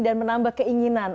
dan menambah keinginan